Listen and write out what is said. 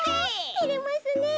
てれますねえ。